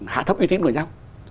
hạ thấp uy tín của nhau